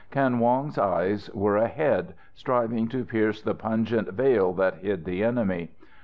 Kan Wong's eyes were ahead, striving to pierce the pungent veil that hid the enemy.